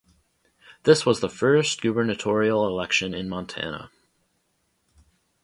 This was the first gubernatorial election in Montana.